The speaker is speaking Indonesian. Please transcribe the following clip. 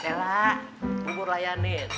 lela bubur layanin